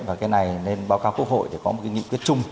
và cái này nên báo cáo quốc hội để có một kỷ niệm kết chung